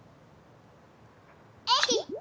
えい！